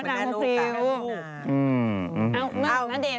เอ้านาเดต